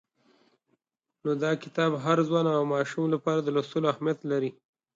نو دا کتاب د هر ځوان او ماشوم لپاره د لوستلو اهمیت لري.